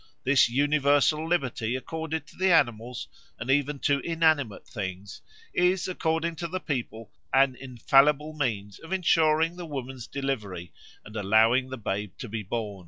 This universal liberty accorded to the animals and even to inanimate things is, according to the people, an infallible means of ensuring the woman's delivery and allowing the babe to be born.